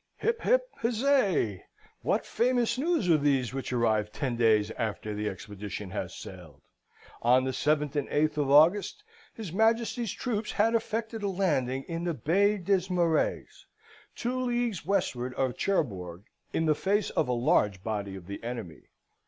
Hip, hip, huzzay! What famous news are these which arrive ten days after the expedition has sailed? On the 7th and 8th of August his Majesty's troops had effected a landing in the Bay des Marais, two leagues westward of Cherbourg, in the face of a large body of the enemy.